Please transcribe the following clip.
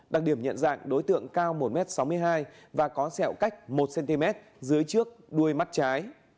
đặc điểm nhận dạng đối tượng cao một m sáu mươi hai và có sẹo cách một cm dưới trước đuôi mắt trái